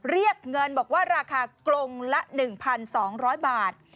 เรียกเงินบอกว่าราคากรงละ๑๒๐๐บาท